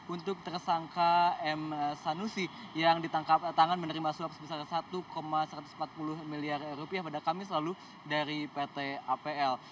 untuk tersangka m sanusi yang ditangkap tangan menerima suap sebesar satu satu ratus empat puluh miliar rupiah pada kamis lalu dari pt apl